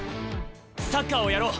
サッカーをやろう。